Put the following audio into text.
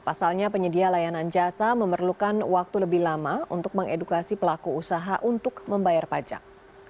pasalnya penyedia layanan jasa memerlukan waktu lebih lama untuk mengedukasi pelaku usaha untuk membayar pajak